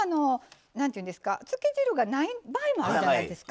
つけ汁がない場合もあるじゃないですか。